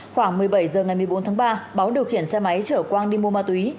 khoảng một mươi bảy h ngày một mươi bốn tháng ba báo điều khiển xe máy chở quang đi mua ma túy